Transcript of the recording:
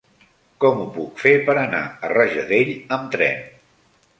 Com ho puc fer per anar a Rajadell amb tren?